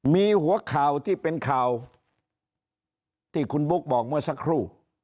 มีหัวข่าวที่เป็นข่าวที่คุณบุ๊คบอกเมื่อสักครู่